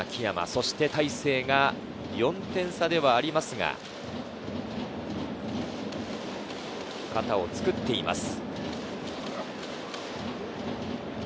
そして大勢が４点差ではありますが、肩をつくっています。